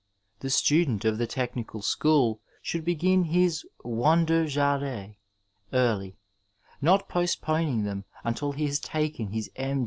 The stadent of the technical school should begin his K^aiufer jahre early, not postponing them until he has taken his H.